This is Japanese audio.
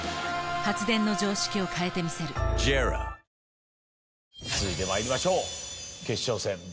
ぷはーっ続いてまいりましょう。